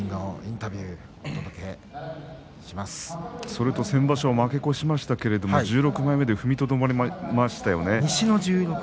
それと先場所負け越ししましたけど１６枚目で踏みとどまりましたよね。